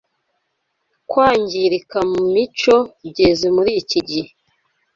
kwangirika mu mico byeze muri iki gihe